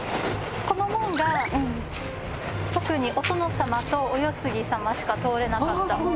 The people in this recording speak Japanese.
この門が特にお殿様とお世継ぎ様しか通れなかった門なので。